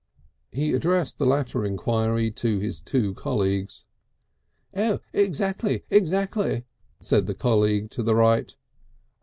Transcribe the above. He addressed the latter enquiry to his two colleagues. "Exactly, exactly," said the colleague to the right.